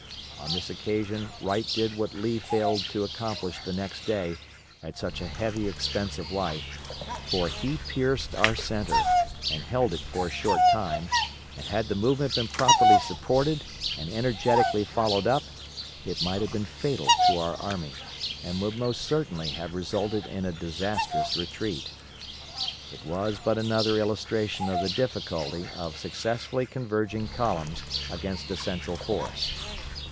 On this occasion Wright did what Lee failed to accomplish the next day at such a heavy expense of life, for he pierced our centre, and held it for a short time, and had the movement been properly supported and energetically followed up, it might have been fatal to our army, and would most certainly have resulted in a disastrous retreat. It was but another illustration of the difficulty of successfully converging columns against a central force.